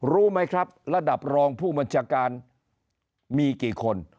รู้ไหมครับระดับรองผู้บัญชาการมีกี่คน